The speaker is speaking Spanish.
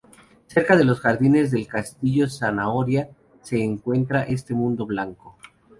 Cerca de los Jardines del Castillo Zanahoria, se encuentra este mundo blanco.